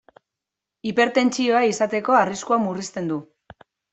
Hipertentsioa izateko arriskua murrizten du.